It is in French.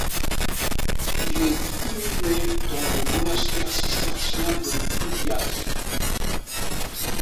Il est inhumé dans le monastère cistercien de Lubiąż.